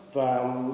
cơ quan nhà nước